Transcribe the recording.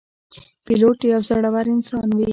پیلوټ یو زړهور انسان وي.